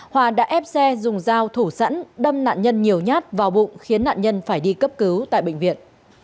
hòa đã ép xe dùng dao thủ sẵn đâm nạn nhân nhiều nhát vào bụng khiến nạn nhân phải đi cấp cứu tại bệnh viện